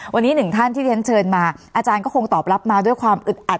วันนี้หนึ่งท่านที่เรียนเชิญมาอาจารย์ก็คงตอบรับมาด้วยความอึดอัด